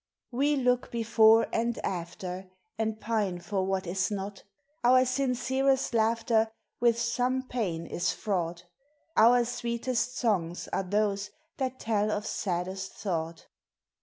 We look before and after, And pine for what is not; Our sincerest laughter With some pain is fraught; Our sweetest songs are those that tell of saddest thought.